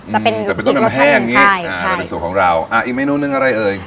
จะเป็นอีกรสชาติจะเป็นต้มยำแห้งอย่างนี้อ่าจะเป็นสูตรของเราอีกเมนูนึงอะไรเอ่ย